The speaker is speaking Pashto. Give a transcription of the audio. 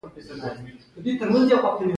لمر زما مخې ته دی